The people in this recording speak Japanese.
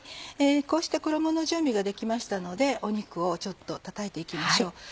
こうして衣の準備ができましたので肉を叩いて行きましょう。